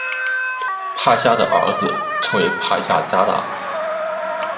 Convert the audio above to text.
帕夏的儿子称为帕夏札达。